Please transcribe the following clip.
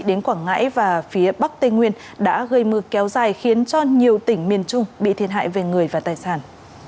đến quảng ngãi và phía bắc tây nguyên đã gây mưa kéo dài khiến cho nhiều tỉnh miền trung bị thiệt hại về người và tài sản